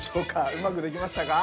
うまくできましたか？